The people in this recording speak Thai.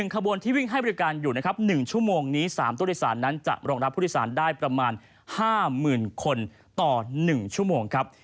ขบวนที่วิ่งให้บริการอยู่นะครับ๑ชั่วโมงนี้๓ตู้โดยสารนั้นจะรองรับผู้โดยสารได้ประมาณ๕๐๐๐คนต่อ๑ชั่วโมงครับ